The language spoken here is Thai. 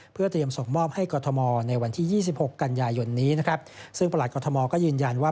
เพื่อเตรียมส่งมอบให้กฎธมอลในวันที่๒๖กันยายนซึ่งประหลาดกฎธมอลก็ยืนยันว่า